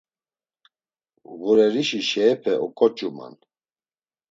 Ğurerişi şeyepe oǩoç̌uman.